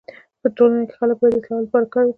په ټولنه کي خلک باید د اصلاحاتو لپاره کار وکړي.